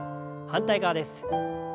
反対側です。